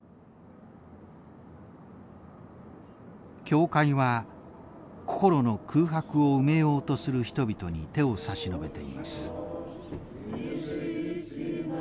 教会は心の空白を埋めようとする人々に手を差し伸べています。